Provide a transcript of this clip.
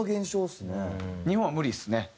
日本は無理ですね。